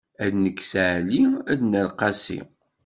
Ad nekkes Ɛli, ad nerr Qasi.